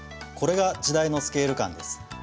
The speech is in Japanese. これが時代のスケール感です。